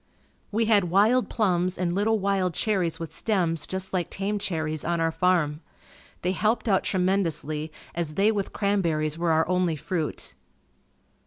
We had wild plums and little wild cherries with stems just like tame cherries, on our farm. They helped out tremendously as they with cranberries were our only fruit.